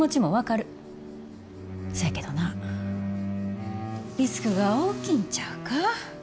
そやけどなリスクが大きいんちゃうか？